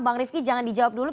bang rifki jangan dijawab dulu